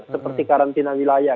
seperti karantina wilayah